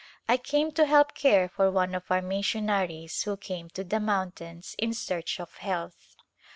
I came to help care for one of our missionaries who came to the mountains in search of health.